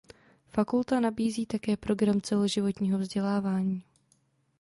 Fakulta nabízí také program celoživotního vzdělávání.